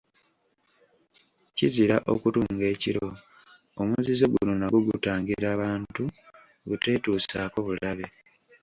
Kizira okutunga ekiro, Omuzizo guno nagwo gutangira bantu buteetuusaako bulabe.